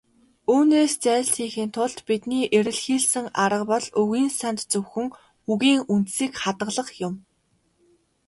Үүнээс зайлсхийхийн тулд бидний эрэлхийлсэн арга бол үгийн санд зөвхөн "үгийн үндсийг хадгалах" юм.